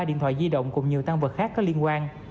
hai điện thoại di động cùng nhiều tăng vật khác có liên quan